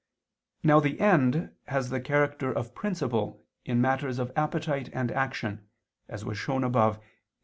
Now the end has the character of principle in matters of appetite and action, as was shown above (Q.